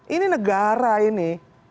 ini negara ini